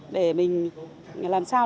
để mình làm sao để tổ chức tập huấn